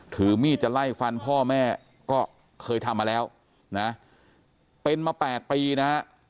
ถือมีดจะไล่ฟันพ่อแม่ก็เคยทำมาแล้วนะเป็นมา๘ปีนะฮะ